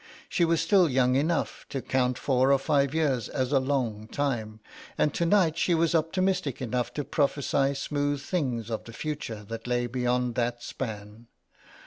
She was still young enough to count four or five years as a long time, and to night she was optimistic enough to prophesy smooth things of the future that lay beyond that span.